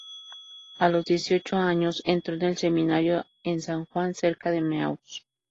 A los dieciocho años entró en el seminario en San Juan, cerca de Meaux.